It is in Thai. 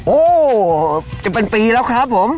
โอ้โหจะเป็นปีแล้วครับผม